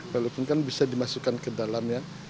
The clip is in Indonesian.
walaupun kan bisa dimasukkan ke dalam ya